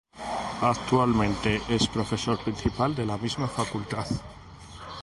Actualmente es profesor principal de la misma facultad.